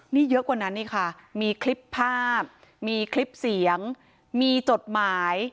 นี่เยอะกว่านั้นนี่ค่ะมีคลิปภาพมีคลิปเสียงมีจดหมาย